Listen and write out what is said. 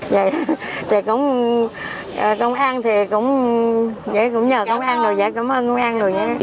vậy công an thì cũng nhờ công an đồ giấy cảm ơn công an đồ giấy